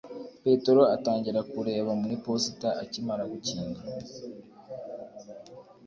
Petero atangira kureba mu iposita akimara gukinga